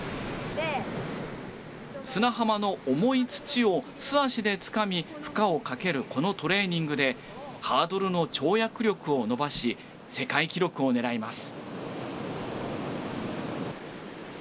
砂浜の重い土を素足でつかみ負荷をかけるこのトレーニングでハードルの跳躍力を伸ばし世界記録をねらいます。